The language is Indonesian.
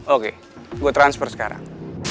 oke gue transfer sekarang